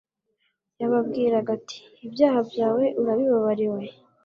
yababwiraga ati: "ibyaha byawe urabibabariwe,"